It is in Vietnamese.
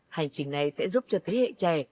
hành trình này sẽ giúp cho thế hệ trẻ